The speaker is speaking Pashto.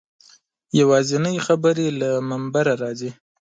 یوازینۍ خبرې له منبره راځي.